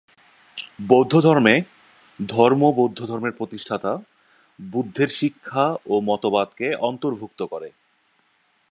বৌদ্ধধর্মে, ধর্ম বৌদ্ধধর্মের প্রতিষ্ঠাতা বুদ্ধের শিক্ষা ও মতবাদকে অন্তর্ভুক্ত করে।